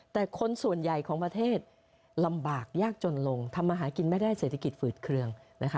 แต่คนส่วนใหญ่ของประเทศลำบากยากจนลงทำมาหากินไม่ได้เศรษฐกิจฝืดเครื่องนะคะ